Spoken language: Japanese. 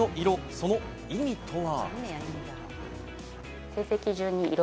その意味とは？